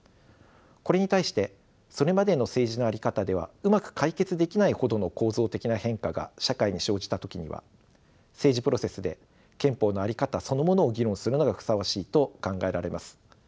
これに対してそれまでの政治の在り方ではうまく解決できないほどの構造的な変化が社会に生じた時には政治プロセスで憲法の在り方そのものを議論するのがふさわしいと考えられます。